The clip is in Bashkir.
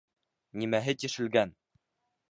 Нимәһе тишелгән?